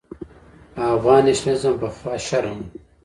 افغان نېشنلېزم پخوا شرم و.